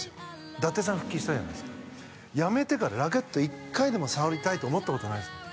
伊達さん復帰したじゃないですかやめてからラケット１回でも触りたいと思ったことないですもん